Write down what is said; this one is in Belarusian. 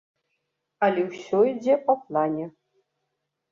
Але ўсё ідзе па плане.